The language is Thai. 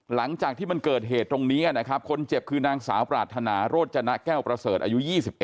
หลังจากที่มันเกิดเหตุตรงนี้นะครับคนเจ็บคือนางสาวปรารถนาโรจนะแก้วประเสริฐอายุ๒๙